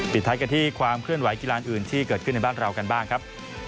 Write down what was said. ท้ายกันที่ความเคลื่อนไหกีฬาอื่นที่เกิดขึ้นในบ้านเรากันบ้างครับ